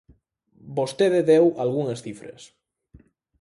Vostede deu algunhas cifras.